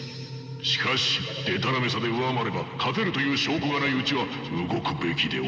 しかしでたらめさで上回れば勝てるという証拠がないうちは動くべきでは。